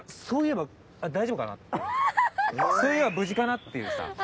「そういえば無事かな？」っていうさ。